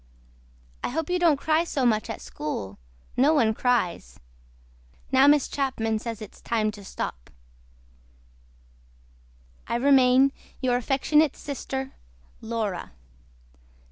I HOPE YOU DON'T CRY SO MUCH AT SCHOOL NO ONE CRIES. NOW MISS CHAPMAN SAYS IT IS TIME TO STOP I REMAIN YOUR AFECTIONATE SISTER LAURA.